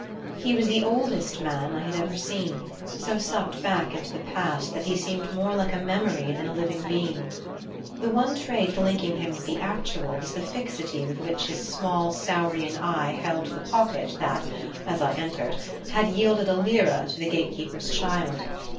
He was the oldest man I had ever seen; so sucked back into the past that he seemed more like a memory than a living being. The one trait linking him with the actual was the fixity with which his small saurian eye held the pocket that, as I entered, had yielded a lira to the gate keeper's child.